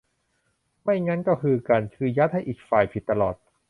ไม่งั้นก็คือกัน คือยัดให้อีกฝ่ายผิดตลอด